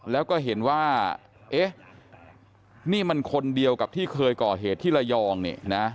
แล้วก็เห็นว่าเอ๊ะนี่มันคนเดียวกับที่เคยก่อเหตุที่ระยองเนี่ยนะ